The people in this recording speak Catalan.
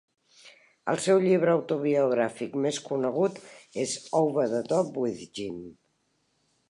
El seu llibre autobiogràfic més conegut és "Over The Top With Jim".